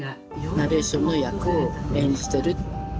ナレーションの役を演じてる。